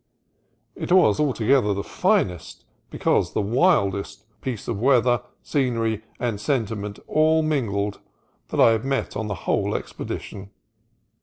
It was altogether the finest, because the wildest, piece of weather, scenery, and sentiment all mingled that I had met on the whole expedition.